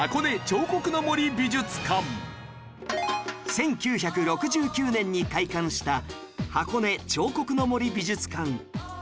１９６９年に開館した箱根彫刻の森美術館